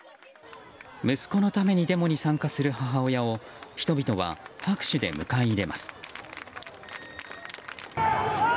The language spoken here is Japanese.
息子のためにデモに参加する母親を人々は拍手で迎え入れます。